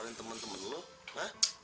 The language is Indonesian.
ini apa sih ah